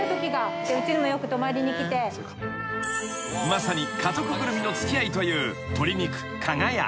［まさに家族ぐるみの付き合いという鶏肉加賀屋］